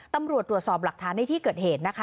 ตำรวจตรวจสอบหลักฐานในที่เกิดเหตุนะคะ